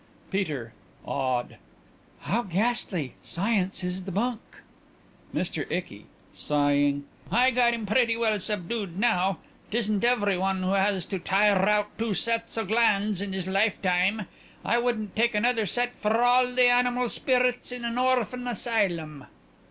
PETER: (Awed) How ghastly! Science is the bunk. MR. ICKY: I got him pretty well subdued now. 'Tisn't every one who has to tire out two sets o' glands in his lifetime. I wouldn't take another set for all the animal spirits in an orphan asylum.